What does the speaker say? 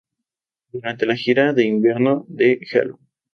Durante la gira de invierno de Hello!